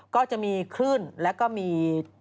ก็จะมีคลื่นแล้วก็มี